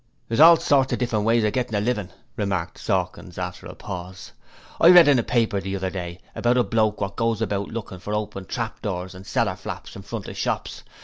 'There's all sorts of different ways of gettin' a livin',' remarked Sawkins, after a pause. 'I read in a paper the other day about a bloke wot goes about lookin' for open trap doors and cellar flaps in front of shops.